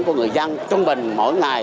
của người dân trung bình mỗi ngày